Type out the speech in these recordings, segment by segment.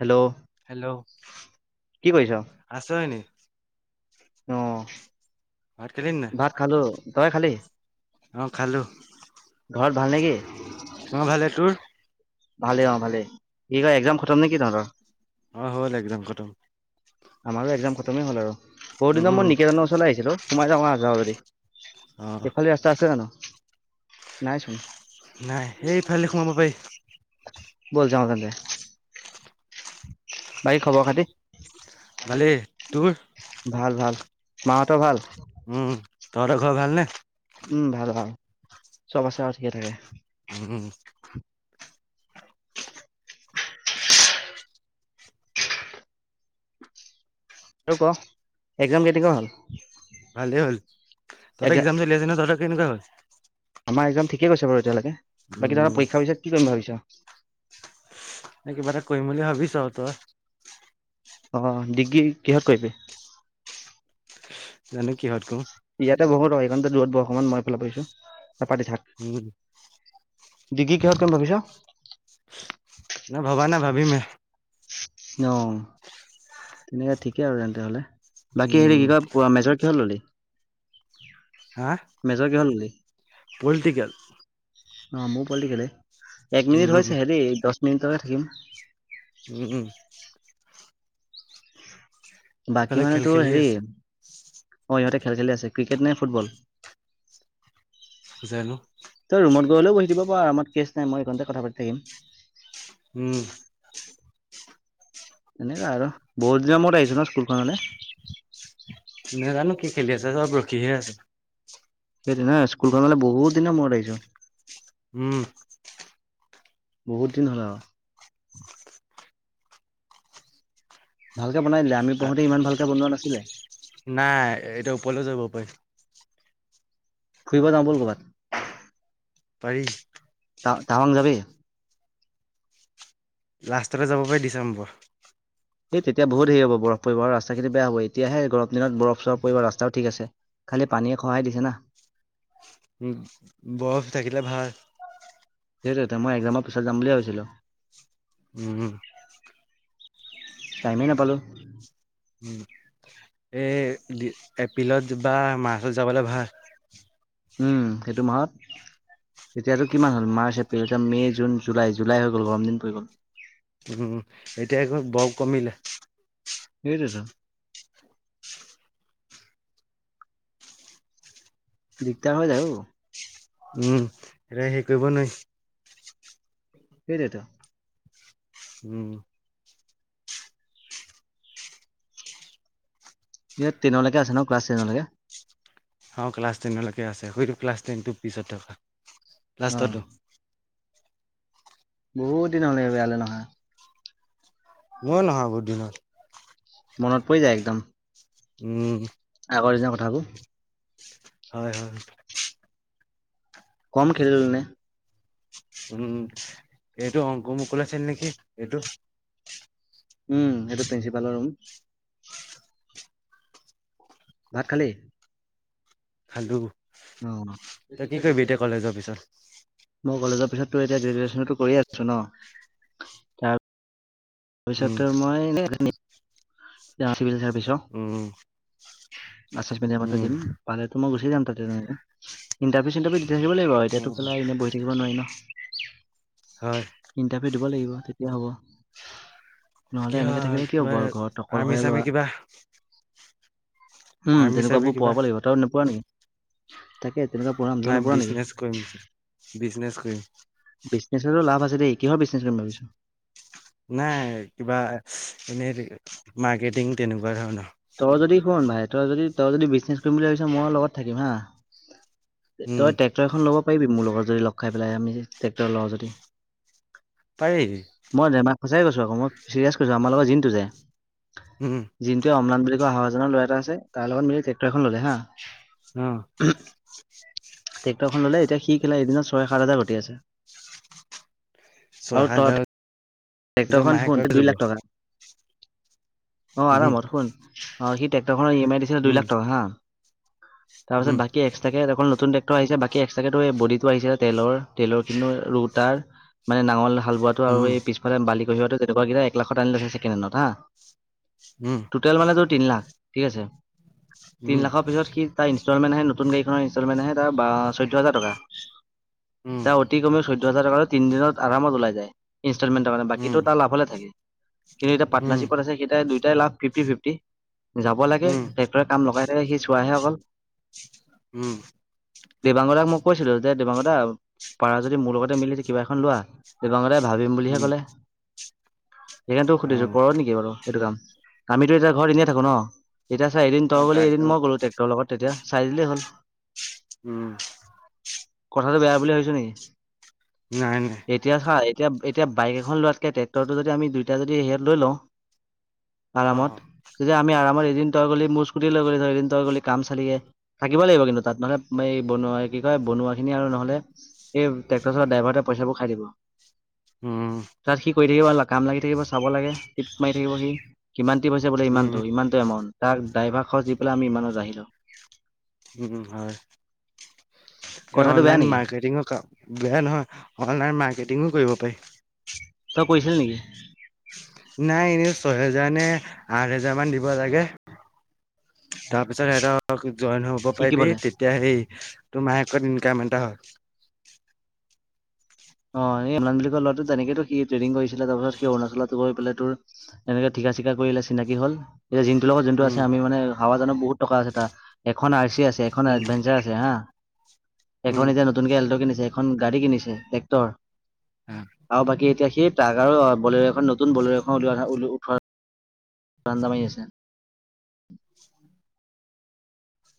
Hello hello কি কৰিছ? আছো হয়নি অ ভাত খালো তই খালি অ খালো ঘৰত ভাল নেকি? খবৰ ভাল নে তোৰ ভালে অ ভালে কি কয় এক্সাম খটাম নেকি তহঁতৰ অ হ'ল এক্সম খটাম আমাৰো এক্সাম খটামে হ'ল আৰু বহুত উম দিনৰ উম মূৰত নিকাজনৰ ওচৰলৈ আহিছিলো সোমাই যাওঁ আহ য যদি অ ইফালে ৰাস্তা আছে জানো নাই চোন নাই এইফালে সোমাব পাৰি বোল যাও তালে খবৰ খাতি? ভালে, তোৰ? ভাল ভাল, মা সোতৰ ভাল? উম তহঁতৰ ঘৰ ভালনে উম, ভাল ভাল। চব আছে ঠিকে থাকে। উম। আৰু ক এক্সাম কেনেকুৱা হল? ভালেই হ'ল তহঁতৰ এক্জাম চলি আছে ন তহঁতৰ কেনেকুৱা হ'ল আমাৰ এক্সম ঠিক ঠিকে গৈছে বাৰু এতিয়ালৈকে, বাকী তৰ উম পৰীক্ষা পিছত কি কৰিম ভাবিছা? কিবা এটা কৰিম বুলি ভাবিছোঁ, তই? অ' ডিগ্ৰী কিহত কৰিবি? জানো কিহত কৰো ইয়াতে বহুত আইকনতে দূৰত বহ অকমান, মই ফাল আহিছোঁ। উম। ডিগ্ৰী কিহত কৰিম ভাবিছ? নাই ভবা নাই ভাবিমহে অ', তেনেকে ঠিকেই আৰু তেন্তে হলে। বাকী হেৰি উম কি কয় প মেজৰ কিহত ল'লি? হা মেজৰ কিহত ললি? পলিটিকেল অ' মোৰ পলটিকলে, এক মিনিট উম হৈছে হৈছেহে দে, দচ মিনিটকে থাকিম। উম। বাকী ইফালে মানে খেল তোৰ খেলি হেৰি আছে অ' ইহঁতে খেল খেলি আছে, ক্ৰিকেট নে ফুটবল? জানো তই ৰুমত গৈহলেও বহি দিব পাৰ আমত কেচ নাই মই আইকনতে কথা পাতি থাকিম। উম। এনেকুৱা আৰু বহুত দিনৰ মূৰত আহিছো ন স্কুলখনলৈ। নেজানো কি খেলি আছে চব ৰখিহে আছে। সেই ন স্কুলখনলে বহুত দিন মূৰত আহিছো। উম। বহুত দিন হ'লে আৰু। ভালকে বনাই দিলে আমি পঢ়োতে ইমান ভালকে বনোৱা নাছিলে নাই এতিয়া ওপৰলৈও যাব পাৰে। ফুৰিব যাওঁ ব'ল কৰ'বাত। পাৰি। তা-তাৱাং যাবি? লাষ্টতে যাব পাৰি ডিচেম্বৰ। এই তেতিয়া বহুত হেৰি হ'ব বৰফ পৰিব আৰু ৰাস্ত খিনি বেয়া হব, এতিয়াহে গৰম দিনত বৰফ চৰফ পৰিব ৰাস্তাও ঠিক আছে। খালি পানীয়ে খহাই দিছে না। উ, বৰফ থাকিলে ভাল। সেইটোতে মই এক্সামৰ পিছত যাম বুলিয়ে ভাবিছিলো। উম। টাইমেই নাপালো। এই এপ্ৰিলত বা মাৰ্চত যাবলৈ ভাল। উম, সেইটো মাহত। তেতিয়াতো কিমান হ'ল মাৰ্চ, এপ্ৰিল এতিয়া মে' জুন, জুলাই, জুলাই হৈ গ'ল গৰম দিন পৰি গ'ল। উম, এতিয়া বৰ কমিলে। সেইটোৱেটো। দিগদাৰ হৈ যায় অ'। উম, এ হেৰী কৰিব নুৱাই। সেইটোয়েটো। উম। এ টেনলৈকে আছে ন ক্লাছ টেনলৈকে। অ', ক্লাছ টেনলৈকে আছে, সুইটো ক্লাছ টেনটো পিছত থকা অ লাষ্টতো। বহুত দিন হ'লে বয়াললে নহা। মই নহা বহুত দিন হল। মনত পৰি যায় একদম। উম'। আগৰ দিনৰ কথাবোৰ। হয়', হয়। কম খেলিলোনে উম' এইটো অংকুৰ, মুকলুল আছিল নেকি এইটো উম', এইটো প্ৰিঞ্চিপালৰ ৰুম। ভাত খালি। খালো। অ', মই তই কি কৰিবি এতিয়া কলেজৰ পিছত পিছত তোৰ এতিয়া গ্ৰেজুৱেচনটো কৰি আ [inaudible] উম ভৱিষ্যতে মই এনেই চিভিল চাৰ্ভিচৰ উম এচ এচ বি [inaudible] উম দিম পালেতো মই গুচি যাম তাতে। ইন্টাৰভিউ, চন্টাৰভিউ থাকিব লাগিব আৰু এতিয়াতো উম পেলাই এনেই বহি থাকিব নোৱাৰি ন'। হয় ইণ্টাৰভিউ দিব লাগিব তেতিয়া হ'ব। নহ'লে কিবা এনেকে থাকিলে কি কিবা হ'ব আৰু ঘৰত আৰ্মি অকলশৰীয়া চাৰ্মি ল'ৰা। কিবা উম', আৰ্মি চাৰ্মি তেনেকুৱাবোৰ কিবা পোৰাব লাগিব। তই নোপোৰাৱ নেকি? তাকে তেনেকুৱা পঢ়াম নাই তই নপঢ়া বিজনেচ নেকি? কৰিম বিজনেচ কৰিম বিজনেছোটো লাভ আছে দেই কিহৰ বিজনেছ কৰিম ভাবিছ নাই, কিবা এনে মাৰ্কেটিং তেনেকুৱা ধৰণৰ। তই যদি শুন ভাই, তই যদি তই যদি বিজনেছ কৰিম বুলি ভাবিছ মই লগত থাকিম হা। উম তই ট্ৰেক্টৰ এখন ল'ব পাৰিবি। মোৰ লগত যদি লগ খাই পেলাই আমি ট্ৰেক্টৰ লওঁ যদি। পাৰি মই দেমাক সঁচাই কৈছোঁ আকৌ। মই চিৰিয়াছ কৈছোঁ আমাৰ লগৰ জিনটো যায়। উম জিনটোৱে অমলান বুলি কোৱা হাৱাজানৰ ল'ৰা এটা আছে তাৰ লগত মিলি ট্ৰেক্টৰ এখন ল'লে হাঁ। আহ'। ট্ৰেক্টৰ খন ল'লে এতিয়া সি! ! ! ! ! ! ! ! ! ! এদিনত ছয়, সাত হাজাৰ ঘটি আছে। ছয়, সাত আৰু ত হাজাৰ ট্ৰেক্টৰখন শুন মাহেকত হৈ দুই যাব। লাখ টকা অ', উম আৰামত শুন অ' সি ট্ৰেক্টৰখনৰ ই এম আই দিছিলে দুই উম লাখ টকা হা। তাৰপাছত উম বাকী এক্সাকে [inaudible] আহিছে, বাকী এক্সট্ৰাকো এই বডিটো আহিছে। তেলৰ তেলৰ কিন্তু ৰুতাৰ মানে নাঙল। হাল বোৱাটো আৰু এই পিছফালে বালি কঢ়িয়াটো, তেনেকুৱা কেইটা এক লাখত আনি লৈছে ছেকেণ্ড হেণ্ডত হা। উম টোটেল মানে তোৰ তিন লাখ ঠিক আছে, উম তিন উম লাখৰ পিছত সি তাৰ ইণ্ড ইনষ্টলমেনহে, নতুন গাড়ীখনৰ ইনষ্টলমেনহে বা চৈধ্য হেজাৰ টকা। উম তাৰ অতি কমেও দুহজাৰ টকাটো তিনিদিনত আৰামত ওলাই যায়। ইষ্ট ইনষ্টলমেন্তৰ কাৰণে বাকীটো উম তাৰ লাভতে থাকে। কিন্তু এতিয়া পাটনাৰ উম ছিটত আছে সি এটা। তাৰ লাভ ফিফটি ফিফটি। যাব লাগে উম ট্ৰেক্টৰে কাম লগাই থাকে সি চোৱাহে অকল। উম দেবাংগদাক মোক। কৈছিলো, যে দেবাংগদা পাৰা যদি মোৰ লগতে মিলি কিবা এখন লোৱা দেবাংগদাই ভাল। ভাবিম বুলিহে ক'লে। সেইকাৰণে তোক সুধিছো উম ক'ৰ নেকি বাৰু এইটো কাম আমিতো এতিয়া ঘৰত এনেই থাকো ন। এতিয়া চা, এদিন অ তই গলি তাকে এদিন মই গ'লো ট্ৰেক্টৰৰ লগত তেতিয়া চাই দিলেই হ'ল৷ উম'। কথাটো বেয়া বুলি ভাবিছ নেকি? নাই নাই এতিয়া চা এতিয়া এতিয়া বাইক এখন লোৱাতকে ট্ৰেক্টৰটো যদি আমি দুইটাই যদি হেৰিয়াত লৈ লওঁ অ আৰামত তেতিয়া আমি আৰামত এদিন তই গ'লি মোৰ স্কুটি লৈ গ'লি তই। এদিন তই গ'লি কাম চালিগে, থাকিব লাগিব কিন্তু তাত নহ'লে এই বনোৱা কি কয় বনোৱা। এনেই আৰু নহ'লে এই ট্ৰেক্টৰ চলা ড্ৰাইভাৰটোৱে পইচা বোৰ খাই দিব৷ উম তাত সি কৰি থাকিব কাম লাগি থাকিব চাব লাগে, তিপ মাৰি থাকিব সি৷ ইমানটি পইচা বোলে উম ইমানটো, ইমানটো এমাউণ্ট তাক ড্ৰাইভাৰ খৰচ দি পেলাই আমি ইমানত আহিলোঁ৷ উম', হয়। এই কথাটো বেয়া অনলাইন নেকি মাৰ্কেটিঙৰ কাম বেয়া নহয়, অনলাইন মাৰ্কেটিং ও কৰিব পাৰি৷ তই কৈছিলি নেকি? নাই এনে ছয়হেজাৰ নে আঠ হেজাৰ মান দিব লাগে৷ তাৰপিছত [unintelligible] জইন হ'ব পাৰিবি শিকিবলে তেতিয়া সেই তো মাহকেত ইনকাম এটা হয়৷ অ', এ অনল বোলা ল'ৰাটো তেনেকটো সি ট্ৰেডিং কৰিছিলে সি তাৰ পিছত সি অৰুণাচলত গৈ পেলাই তোৰ তেনেকে ঠিক ঠিকা চিকা কৰিলে চিনাকি হ'ল৷ এতিয়া জিন্তুৰ লগত যোনটো উম আছে আমি মানে হাৱাজানৰ বহুত টকা আছে তাৰ এখন আৰ চি আছ ছে এখন উম এডভেঞ্চাৰ আছে হা। এখন উম এতিয়া নতুনকে এল্ট কিনিছে এখন গাড়ী কিনিছে ট্ৰেক্টৰ আৰু বাকী এতিয়া সি সেই তাক আৰু বলেৰেখন নতুন বলেৰেখন উলিওৱা উঠোৱা ৰাণ্ডা মাৰি আছে।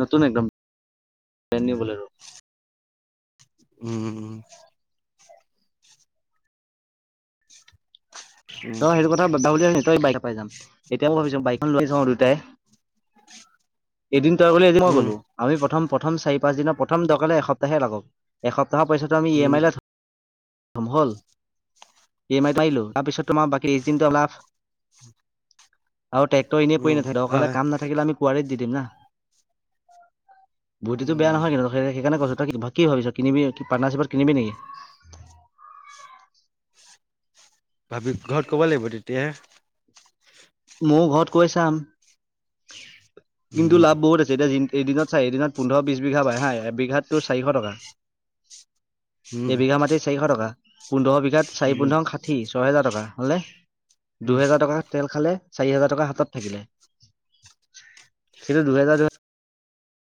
নতুন একদম, ব্ৰেণ্ড নিউ বলেৰ'। উম, উম, উম। তই সেইটো কথা [unintelligible] তই বাহিৰৰ পাই যাম। এতিয়াও ভাবি চাওঁ বাইকখন লৈ যাওঁ দুটাই। এদিন তই গ'লি, এদিন মই উম গ'লো, আমি প্ৰথম প্ৰথম চাৰি পাঁচ দিনৰ প্ৰথম দকাৰ হ'লে এসপ্তাহে লাগক এসপ্তাহ কা পইচাটো আমি ই উম উম এম আই লে থ'লো, [unintelligible] হ'ল? ই এম আইটো মাইলো তাৰপিছত তোমাৰ বাকী [unintelligible] লাভ আৰু ট্ৰেক্টৰ এনেই পৰি উম, নাথাকে, দৰকাৰ হ'লে হয় কাম নাথাকিলে আমি কোৱাৰিত দি দিম না? বু্দ্ধিটো বেয়া উম নহয় কিন্তু সেইকাৰনে কৈছো কথাটো তই কি ভাবিছ কিনিবি? পাৰ্টনাৰশ্বিপত কিনিবি নেকি? ভাবি ঘৰত ক'ব লাগিব তেতিয়াহে। ময়ো ঘৰত কৈ চাম, কিন্তু উম লাভ বহুত আছে এতিয়া যি এদিনত চাৰি দিনত পোন্ধৰ, বিশ বিঘা বাহে হা, এবিঘাত তোৰ চাৰিশ টকা৷ উম এবিঘা মাটিত চাৰিশ টকা৷ পোন্ধৰ বিঘাত চাৰি উম পোন্ধৰং ষাঠি, ছয়হেজাৰ টকা হ'লনে, উম দুহেজাৰ টকা তেল খালে চাৰি হোজাৰ টকা হাতত থাকিলে৷কিন্তু দুহেজাৰ দুহে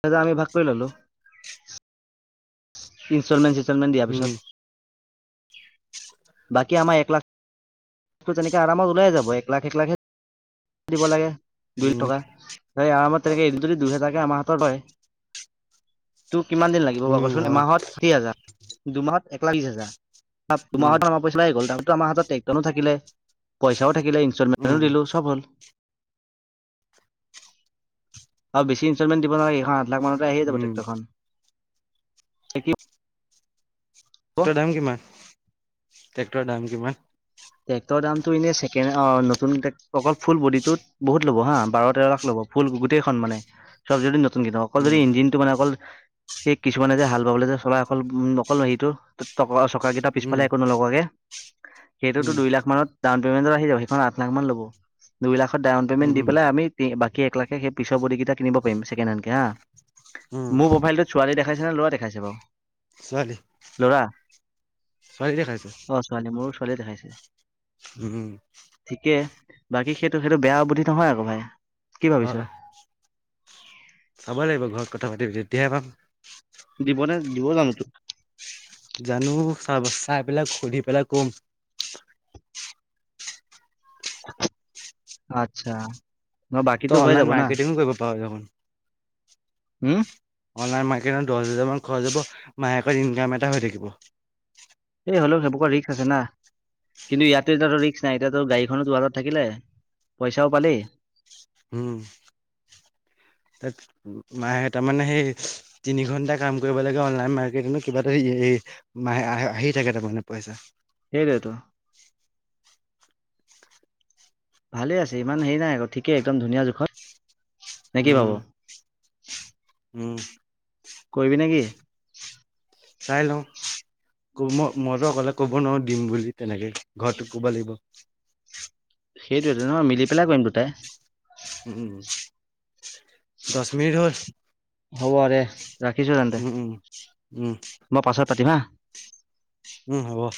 হেজাৰ আমি ভাগ কৰি ললো৷ ইনষ্টলমেন্ট [unintelligible] মেণ্ট দিয়া উম পিছত৷ বাকী আমাৰ এক লাখ [unintelligible] তেনে আৰামত ওলাই যাব, এক লাখ, এক লাখহে দিব লাগে৷ দুই [unintelligible] উম টকা, আৰামত তেনেকে এইটো যদি দুইহেজাৰকে আমাৰ হাতত [unintelligible] তোৰ কিমান দিন লাগিব বাৰু উম ক'চোন, হয় এমাহত ষাঠি হাজাৰ, দুমাহত একলাখ বিশ হাজাৰ। উম [unintelligible] আমাৰ হাতত [unintelligible] থাকিলে পইচা ও থাকিলে ইনষ্টলমেন্টতো উম দিলো, সব হল। আৰু বেছি ইনষ্টলমেণ্ট দিব নালাগে, এইখন আঠ লাখ মানতে আহিয়ে যাব উম ট্ৰেক্টৰখন৷ [unintelligible] হ'ব [unintelligible] দাম কিমান? ট্ৰেক্টৰৰ দাম কিমান? ট্ৰেক্টৰৰ দামটো এনে ছেকেণ্ড, অ', নতুন অকল ফুল বডিটোত বহুত ল'ব হা, বাৰ তেৰ লাখ ল'ব৷ ফুল গোটেই খন মানে চব যদি নতুনকে ল', অকল উম যদি ইঞ্জিন টো মানে অকল সেই কিছুমানে যে হাল বাবলৈ যে চলাই, অকল-অকল হেৰিটো [unintelligible] [unintelligible] চকাকেইটা উম পিছফালে একো নলগোৱাকৈ, সেইটোতো উম দুই লাখ মানত [unintelligible] [unintelligible] আহি যাব, সেইখন আঠা লাখ মান লব। দুই লাখত ডাউন পেমেণ্ট দি উম, পেলাই আমি বাক সেই এক লাখে সেই পিছৰ বডি কেইটা কিনিব পাৰি ছেকেণ্ড হেণ্ডকে হা, উম, মোৰ প্ৰফাইলটোত ছোৱালী দেখাইছে নে লৰা দেখাইছে বাৰু? ছোৱালী ল'ৰা? ছোৱালী দেখাইছে। অ ছোৱালী মোৰো ছোৱালী দেখাইছে। উম। ঠিকে বাকী সেইটো সেইটো বেয়া বুদ্ধি নহয় আকৌ ভাই কি ভাবিছ'? হয়। চাব লাগিব ঘৰত কথা পাতি প তেতিয়াহে পাম। দিবনে? দিব জানো তোক? জানো চা চাই পেলাই সুধি পেলাই কম। আচ্ছা। ন বাকীতো ত' হৈ অনলাইন যাব না মাৰ্কেটিং কৰিব পাৰ য উম অনলাইন মা দহ হাজাৰ মান খৰচ হ'ব মাহেকত ইনকাম এটা হৈ থাকিব। এই হ'লেও সেইবোৰত ৰিস্ক আছে না। কিন্তু ইয়াতো এতিয়াটো ৰিক্স নাই এতিয়াতো গাড়ীখনো তোৰ হাতত থাকিলে, পইচাও পালি। উম। [inaudible] তাত মাহে তাৰমানে সেই তিনি ঘন্টা কাম কৰিব লাগে অনলাইন মাৰ্কেটিঙত কিবা এটা মাহে আহ-আহি থাকে তাৰমানে পইচা। সেইটোৱেটো। ভালে আছে ইমান হেৰি নাই আকৌ ঠিকেই একদম ধুনীয়া জোখত। নে কি উম, ভাব উম। কৰিবি নেকি? চাই লওঁ মই মইতো অকলে ক'ব নোৱাৰো। দিম বুলি তেনেকে ঘৰটো ক'ব লাগিব। সেইটোৱেটো নহ মই মিলি পেলাই কৰিম দুটাই। দছ মিনিট হ'ল। হ'ব দে, ৰাখিছো তেন্তে উম, উম, উম। মই পাছত পাতিমহা। উম, হ'ব।